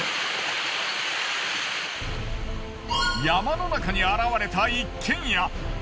山の中に現れた一軒家。